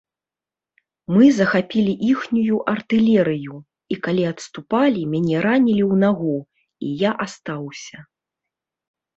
Мы захапілі іхнюю артылерыю, і, калі адступалі, мяне ранілі ў нагу, і я астаўся.